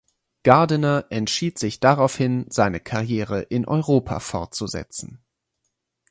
Gardiner entschied sich daraufhin seine Karriere in Europa fortzusetzen.